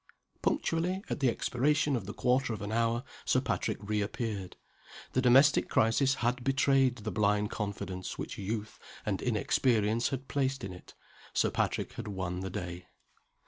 Punctually at the expiration of the quarter of an hour, Sir Patrick reappeared. The domestic crisis had betrayed the blind confidence which youth and inexperience had placed in it. Sir Patrick had won the day.